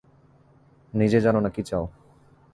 নিজেই জানো না, কী চাও।